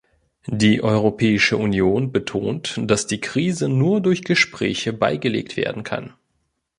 Die Europäische Union betont, dass die Krise nur durch Gespräche beigelegt werden kann.